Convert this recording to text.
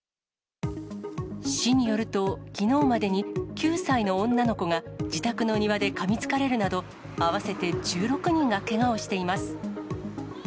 市によると、きのうまでに９歳の女の子が自宅の庭でかみつかれるなど、合わせて１６人がけがをしています。